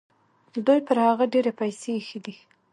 دوی پر هغه ډېرې پیسې ایښي دي.